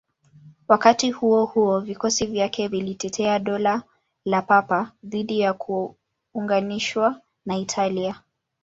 Wakati huo huo, vikosi vyake vilitetea Dola la Papa dhidi ya kuunganishwa na Italia.